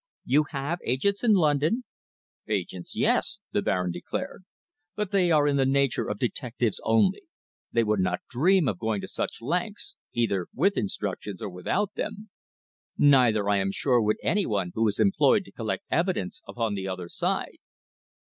"You have agents in London?" "Agents, yes!" the Baron declared, "but they are in the nature of detectives only. They would not dream of going to such lengths, either with instructions or without them. Neither, I am sure, would any one who was employed to collect evidence upon the other side."